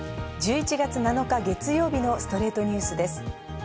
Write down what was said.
１１月７日、月曜日の『ストレイトニュース』です。